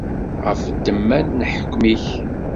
Ɣef ddemma n leḥkem-ik.